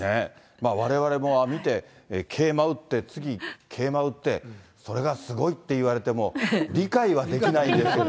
われわれも見て、桂馬打って、次、桂馬打って、それがすごいって言われても、理解はできないんですけど。